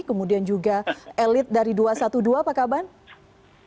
kemudian juga elit dari dua ratus dua belas pak kaban